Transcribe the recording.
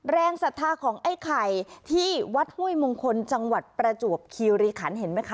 ศรัทธาของไอ้ไข่ที่วัดห้วยมงคลจังหวัดประจวบคีรีขันเห็นไหมคะ